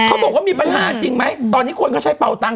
เขาบอกว่ามีปัญหาจริงไหมตอนนี้คนเขาใช้เป่าตัง